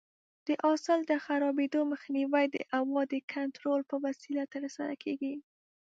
د حاصل د خرابېدو مخنیوی د هوا د کنټرول په وسیله ترسره کېږي.